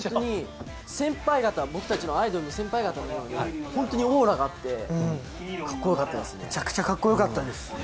僕たちのアイドルの先輩方のように本当にオーラがあってかっこよかったですね。